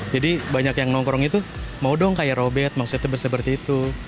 jadi banyak yang nongkrong itu mau dong kayak robet maksudnya seperti itu